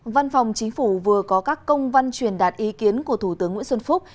văn phòng chính phủ vừa có các công văn truyền đạt ý kiến của thủ tướng nguyễn xuân phúc